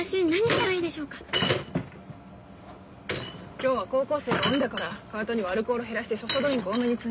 今日は高校生が多いんだからカートにはアルコールを減らしてソフトドリンクを多めに積んで。